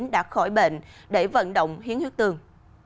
đã khỏi bệnh để vận động hiến huyết tương